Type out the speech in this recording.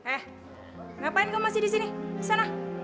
eh ngapain kamu masih disini disana